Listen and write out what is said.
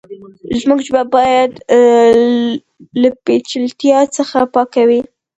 زموږ ژبه بايد له پېچلتيا څخه پاکه وي.